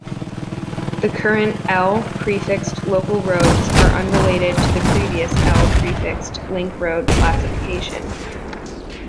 The current "L"-prefixed local roads are unrelated to the previous "L"-prefixed link road classification.